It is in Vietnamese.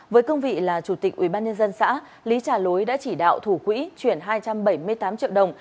với cương vị là chủ tịch ubnd xã lý trà lối đã chỉ đạo thủ quỹ chuyển hai trăm bảy mươi tám triệu đồng